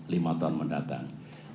lima tahun mendatang